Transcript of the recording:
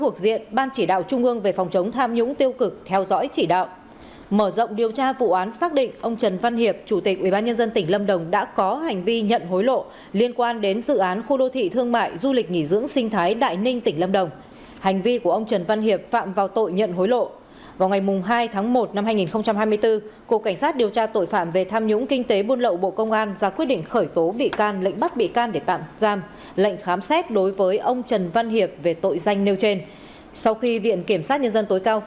cục cảnh sát điều tra tội phạm về tham nhũng kinh tế buôn lậu bộ công an ra quyết định khởi tố bị can lệnh bắt bị can để tạm giam lệnh khám xét đối với ông trần văn hiệp về tội nhận hối lộ